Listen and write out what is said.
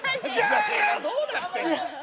どうなってんだよ。